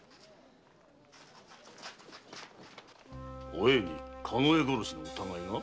お栄に加納屋殺しの疑いが？